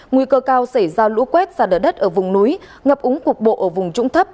nguy cơ cao xảy ra lũ quét xa đỡ đất ở vùng núi ngập úng cục bộ ở vùng trũng thấp